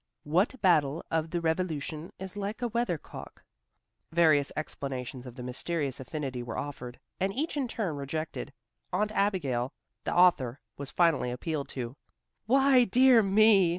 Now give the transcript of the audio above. "What battle of the Revolution is like a weather cock?" Various explanations of the mysterious affinity were offered, and each in turn rejected. Aunt Abigail, the author, was finally appealed to. "Why, dear me!"